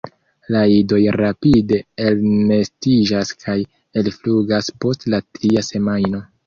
La idoj rapide elnestiĝas kaj ekflugas post la tria semajno.